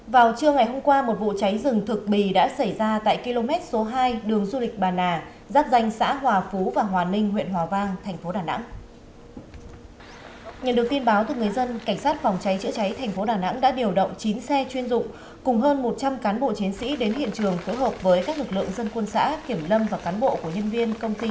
vào trưa ngày hôm qua một vụ cháy rừng thược bì đã xảy ra tại km số hai đường du lịch bà nội